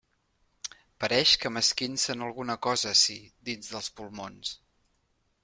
Pareix que m'esquincen alguna cosa ací, dins dels pulmons.